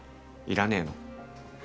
要らねえの？